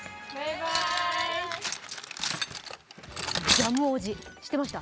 ジャムおじ知ってました？